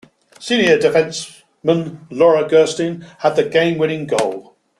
Senior defenseman Laura Gersten had the game-winning goal.